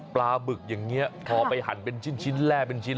ปลาบึกอย่างนี้พอไปหั่นเป็นชิ้นแร่เป็นชิ้น